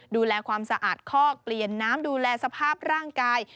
ดูแลความสะอาดคอกเปลี่ยนน้ำดูแลสภาพร่างกาย